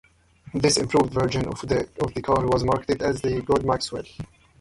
This improved version of the car was marketed as the Good Maxwell.